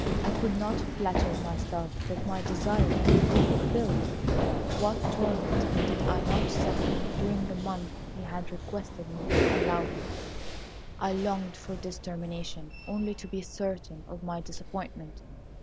I could not flatter myself that my desire would be fulfilled. What torment did I not suffer during the month he had requested me to allow him. I longed for its termination only to be certain of my disappointment.